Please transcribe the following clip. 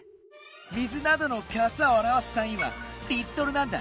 水などのかさをあらわすたんいは「リットル」なんだ。